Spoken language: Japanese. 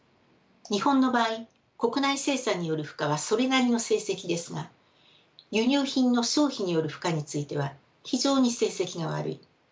日本の場合国内生産による負荷はそれなりの成績ですが輸入品の消費による負荷については非常に成績が悪い。